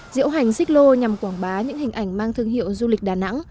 diễu hành xích lô nhằm quảng bá những hình ảnh mang thương hiệu du lịch đà nẵng